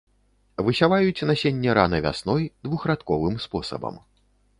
Высяваюць насенне рана вясной двухрадковым спосабам.